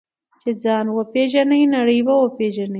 چې ځان وپېژنې، نړۍ به وپېژنې.